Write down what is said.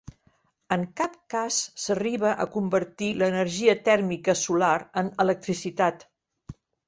En cap cas s'arriba a convertir l'energia tèrmica solar en electricitat.